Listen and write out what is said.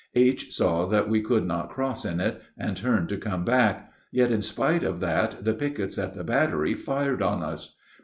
H. saw that we could not cross in it, and turned to come back; yet in spite of that the pickets at the battery fired on us.